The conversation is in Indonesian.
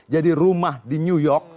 jadi rumah di new york